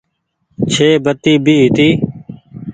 ڇي بتي ڀي هيتي۔